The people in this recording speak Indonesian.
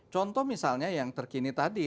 contoh misalnya yang terkini tadi